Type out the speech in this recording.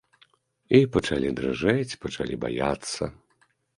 І пачалі дрыжэць, пачалі баяцца.